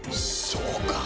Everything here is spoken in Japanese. そうか！